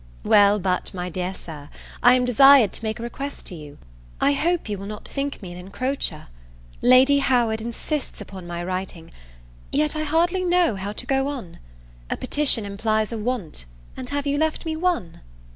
Well but, my dear Sir, I am desired to make a request to you. I hope you will not think me an encroacher; Lady Howard insists upon my writing! yet I hardly know how to go on; a petition implies a want and have you left me one?